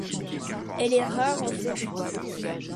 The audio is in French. Elle est rare en Floride.